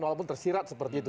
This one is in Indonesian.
walaupun tersirat seperti itu